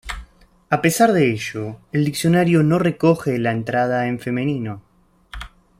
A pesar de ello, el diccionario no recoge la entrada en femenino.